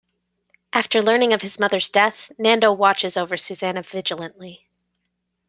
After learning of his mother's death, Nando watches over Susana vigilantly.